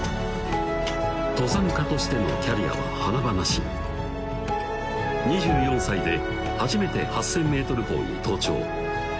登山家としてのキャリアは華々しい２４歳で初めて８，０００ｍ峰に登頂